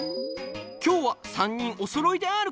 きょうは３にんおそろいであるかドン？